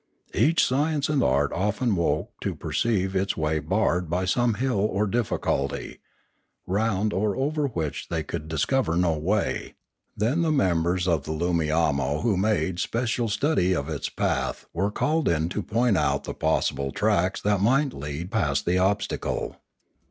Each science and art often awoke to perceive its way barred by some hill of difficulty, round or over which they could discover no way; then the members of the Loomiamo who had made special study of its path 55 2 Limanora were called in to point out the possible tracks that might lead past the obstacle.